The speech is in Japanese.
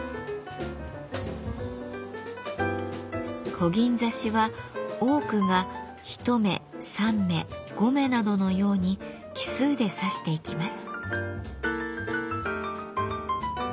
こぎん刺しは多くが１目３目５目などのように奇数で刺していきます。